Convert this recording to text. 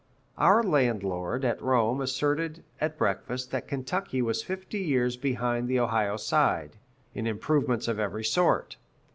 Our landlord at Rome asserted at breakfast that Kentucky was fifty years behind the Ohio side, in improvements of every sort.